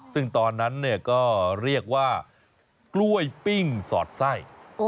ซึ่งตอนนั้นก็เรียกว่ากล้วยปิ้งสอดไส้